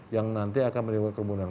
yang nanti akan menimbulkan kerumunan